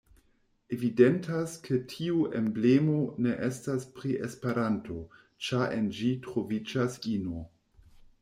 Evidentas ke tiu emblemo ne estas pri Esperanto, ĉar en ĝi troviĝas ino.